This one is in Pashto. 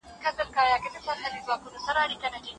او موږ خاوره ابادوو.